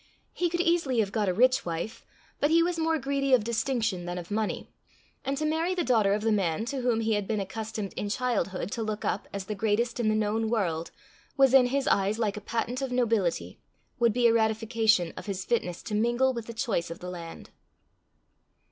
He could easily have got a rich wife, but he was more greedy of distinction than of money, and to marry the daughter of the man to whom he had been accustomed in childhood to look up as the greatest in the known world, was in his eyes like a patent of nobility, would be a ratification of his fitness to mingle with the choice of the land.